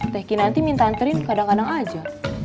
tehki nanti minta anterin kadang kadang aja